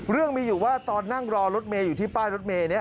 เรื่องมีอยู่ว่าตอนนั่งรอรถเมย์อยู่ที่ป้ายรถเมย์นี้